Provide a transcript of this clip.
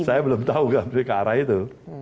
saya belum tahu kak rai itu